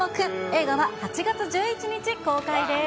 映画は８月１１日公開です。